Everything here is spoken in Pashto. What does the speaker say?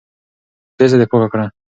پېزه دي پاکه کړه.